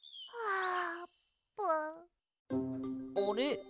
あれ？